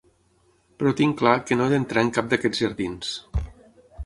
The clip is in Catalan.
Però tinc clar que no he d'entrar en cap d'aquests jardins.